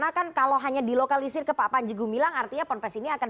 anda ini karena kan kalau hanya dilokalisir ke pak panjegu milang artinya ponpes ini akan